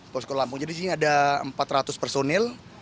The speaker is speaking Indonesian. posko lampung jadi sini ada empat ratus personil